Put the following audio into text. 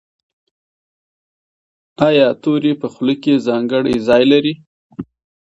ایا توری په خوله کې ځانګړی ځای لري؟